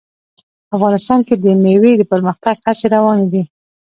افغانستان کې د مېوې د پرمختګ هڅې روانې دي.